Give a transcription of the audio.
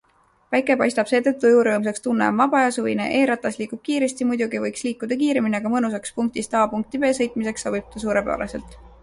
Päike paistab, see teeb tuju rõõmsaks, tunne on vaba ja suvine, eRatas liigub kiiresti - muidugi võiks liikuda kiiremini - aga mõnusaks punktist A punkti B sõitmiseks sobib ta suurepäraselt.